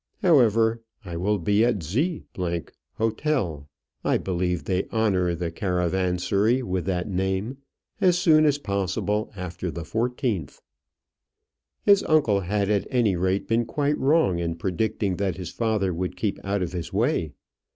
However, I will be at Z 's Hotel I believe they honour the caravansary with that name as soon as possible after the 14th." His uncle had at any rate been quite wrong in predicting that his father would keep out of his way.